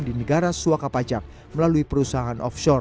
di negara suaka pajak melalui perusahaan offshore